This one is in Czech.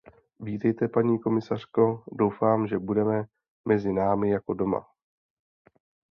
Vítejte, paní komisařko, doufám, že budeme mezi námi jako doma.